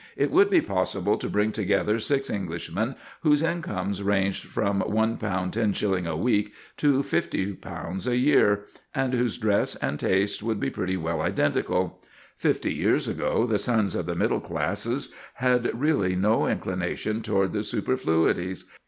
It would be possible to bring together six Englishmen whose incomes ranged from £1 10_s._ a week to £50,000 a year, and whose dress and tastes would be pretty well identical. Fifty years ago the sons of the middle classes had really no inclination toward the superfluities.